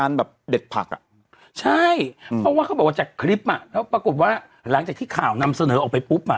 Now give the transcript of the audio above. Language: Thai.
อันนี้คือสิ่งที่แบบ